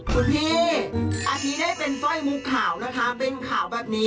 คุณพี่อาทิตย์ได้เป็นสร้อยมุกขาวนะคะเป็นขาวแบบนี้